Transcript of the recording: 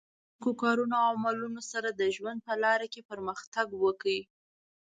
د نېکو کارونو او عملونو سره د ژوند په لاره کې پرمختګ وکړئ.